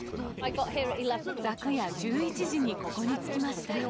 昨夜１１時にここに着きました。